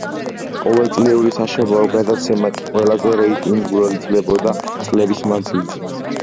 ყოველწლიური საშობაო გადაცემა კი, ყველაზე რეიტინგულად ითვლებოდა წლების მანძილზე.